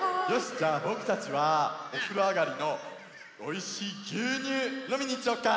じゃあぼくたちはおふろあがりのおいしいぎゅうにゅうのみにいっちゃおうか？